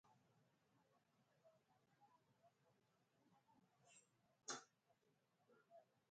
Jacobs attended Utah State University, and was a letterman in football.